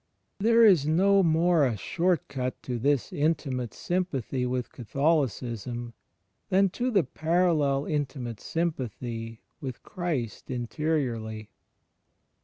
There is no more a short cut to this intimate sym pathy with Catholicism than to the parallel intimate sympathy with Christ interiorly.